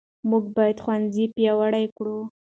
موږ باید ښوونځي پیاوړي کړو.